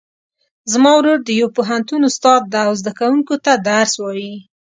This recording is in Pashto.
زما ورور د یو پوهنتون استاد ده او زده کوونکو ته درس وایي